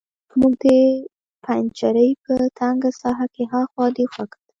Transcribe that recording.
موږ د پنجرې په تنګه ساحه کې هاخوا دېخوا کتل